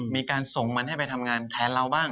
มีการส่งมันให้ไปทำงานแทนเราบ้าง